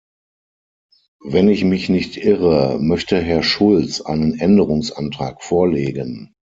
Wenn ich mich nicht irre, möchte Herr Schulz einen Änderungsantrag vorlegen.